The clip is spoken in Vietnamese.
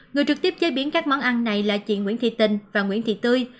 người trực tiếp chế biến các món ăn này là chị nguyễn thị tình và nguyễn thị tươi